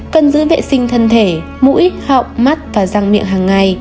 cần giữ vệ sinh thân thể mũi họng mắt và răng miệng hằng ngày